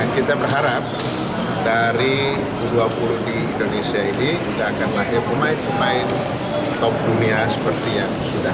kita berharap dari u dua puluh di indonesia ini sudah akan lahir pemain pemain top dunia seperti yang sudah